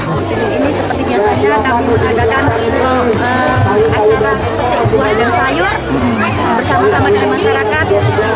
jadi seperti biasanya kami mengadakan acara petik buah dan sayur bersama sama dengan masyarakat